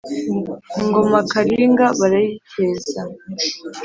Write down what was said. ingoma kalinga barayicyeza